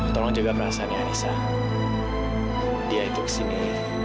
tolong jaga perasaannya dia itu sini